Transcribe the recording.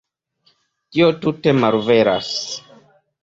Tio tute malveras.